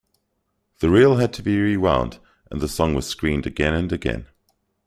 The reel had to be rewound and the song was screened again and again.